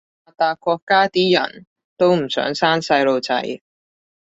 發達國家啲人都唔想生細路仔